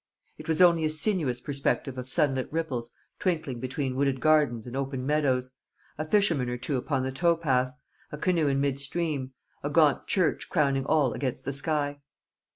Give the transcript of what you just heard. It was only a sinuous perspective of sunlit ripples twinkling between wooded gardens and open meadows, a fisherman or two upon the tow path, a canoe in mid stream, a gaunt church crowning all against the sky.